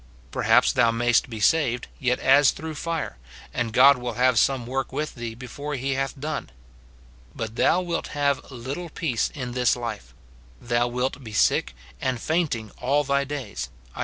Perhaps thou mayst be saved, yet as through fire, and God will have some work with thee before he hath done ; but thou wilt have little peace in this life, — thou wilt be sick and fainting all thy days, Isa.